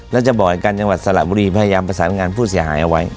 แล้วจะบอกให้การจังหวัดสระบุรีพยายามประสานงานผู้เสียหายเอาไว้